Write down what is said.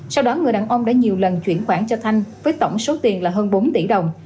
sau đó người đàn ông đã nhiều lần chuyển khoản cho thanh với tổng số tiền là hơn bốn tỷ đồng